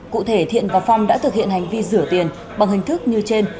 cụ thể thiện và phong đã thực hiện hành vi rửa tiền bằng hình thức như trên